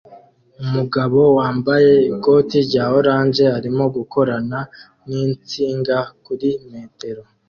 Umugabo wambaye ikoti rya orange arimo gukorana ninsinga kuri metero